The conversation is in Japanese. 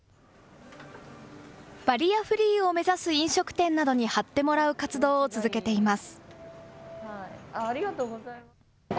バリアフリーを目指す飲食店などに貼ってもらう活動を続けています。